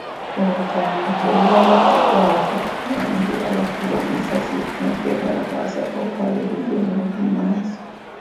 Obutambi tebulaga kakwate ku bantu abaakubwa amasasi n’okwekalakaasa okwali kugenda mu maaso .